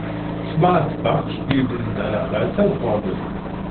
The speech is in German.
Schwarzbach spielte in seiner Freizeit Orgel.